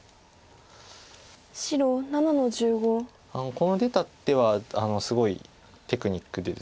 この出た手はすごいテクニックです。